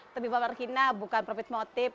tapi pak wargina bukan profit motif